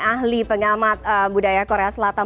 ahli pengamat budaya korea selatan